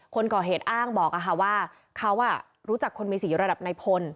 คนก่อเหตุอ้างบอกว่าเขารู้จักคนมีสีระดับในพล